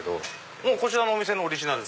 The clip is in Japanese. こちらのお店のオリジナル？